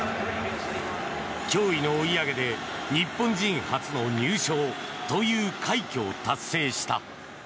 驚異の追い上げで日本人初の入賞という快挙を達成した。